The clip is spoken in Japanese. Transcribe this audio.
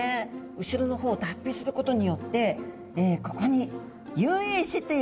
後ろの方を脱皮することによってここに遊泳肢っていう脚がありましたよね。